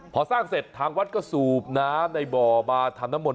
พอสร้างเสร็จทางวัดก็สูบน้ำในบ่อมาทำน้ำมนต